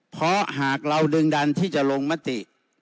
เพราะหากเราดึงดันที่จะลงมติ